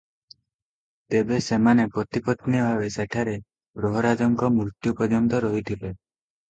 ତେବେ ସେମାନେ ପତି-ପତ୍ନୀ ଭାବେ ସେଠାରେ ପ୍ରହରାଜଙ୍କ ମୃତ୍ୟୁ ପର୍ଯ୍ୟନ୍ତ ରହିଥିଲେ ।